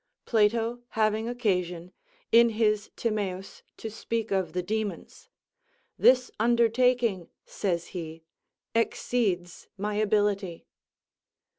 Plato having occasion, in his Timous, to speak of the demons, "This undertaking," says he, "exceeds my ability."